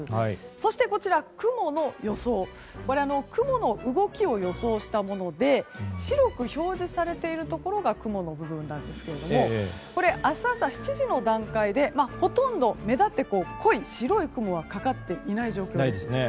そして雲の動きを予想したもので白く表示されているところが雲の部分なんですけども明日朝７時の段階でほとんど濃い白い雲がかかっていない状況です。